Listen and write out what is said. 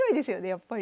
やっぱり。